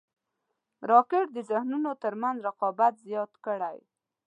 راکټ د ذهنونو تر منځ رقابت زیات کړی